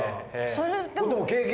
それでも。